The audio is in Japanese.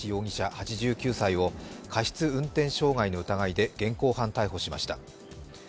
８９歳を過失運転傷害の疑いで現行犯逮捕しました。